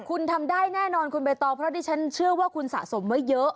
คุณทำได้แน่นอนคุณใบตองเพราะดิฉันเชื่อว่าคุณสะสมไว้เยอะ